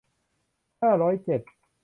ห้าร้อยเจ็ด